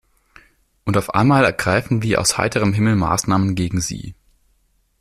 Und auf einmal ergreifen wir aus heiterem Himmel Maßnahmen gegen sie.